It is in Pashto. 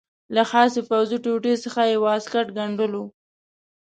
له خاصې پوځي ټوټې څخه یې واسکټ ګنډلو.